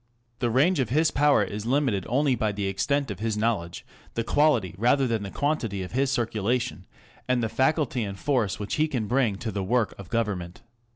The range of his power is limited only by the extent of his knowledge, the quality rather than the quantity of his circulation, and the faculty and force which he can bring to the work of government.